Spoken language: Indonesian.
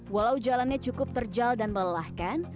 walau jalannya cukup terjal dan melelahkan